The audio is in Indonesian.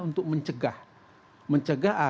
untuk mencegah mencegah